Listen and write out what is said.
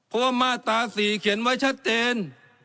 เพราะว่ามาตรา๔เขียนไว้ชัดเจน